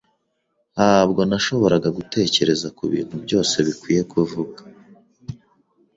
Ntabwo nashoboraga gutekereza kubintu byose bikwiye kuvuga.